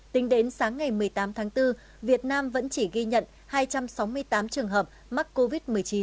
tính đến sáng ngày một mươi tám tháng bốn việt nam vẫn chỉ ghi nhận hai trăm sáu mươi tám trường hợp mắc covid một mươi chín